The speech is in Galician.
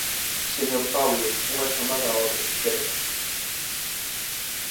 Señor Paulo, unha chamada á orde, ¿quere?